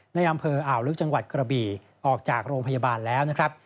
ในอำเภออ่าวลึกจังหวัดกระบี่ออกจากโรงพยาบาลแล้วนะครับ